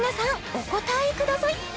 お答えください！